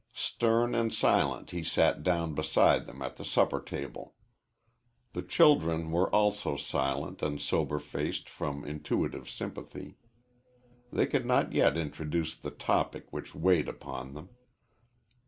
Stern and silent he sat down beside them at the supper table. The children were also silent and sober faced from intuitive sympathy. They could not yet introduce the topic which weighed upon them.